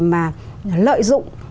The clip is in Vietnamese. mà lợi dụng